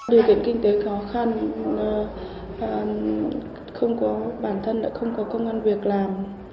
điều kiện kinh tế khó khăn bản thân đã không có công an việc làm